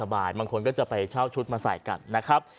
บางคนก็จะไปเช่าชุดมาใส่กันนะครับ